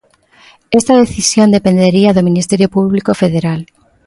Esta decisión dependería do Ministerio Público Federal.